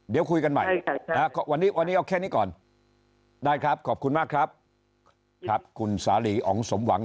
เดี๋ยวคุยกันใหม่วันนี้เอาแค่นี้ก่อนได้ครับขอบคุณมากครับครับคุณสาลีอ๋องสมหวัง